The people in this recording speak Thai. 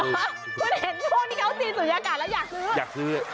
มันเห็นช่วงที่เขาซีนสุดยากาศแล้วอยากซื้อ